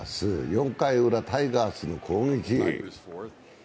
４回ウラ、タイガースの攻撃。